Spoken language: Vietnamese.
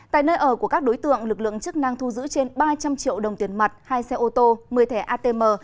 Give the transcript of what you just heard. tại nơi ở của các đối tượng lực lượng chức năng thu giữ trên ba trăm linh triệu đồng tiền mặt hai xe ô tô một mươi thẻ atm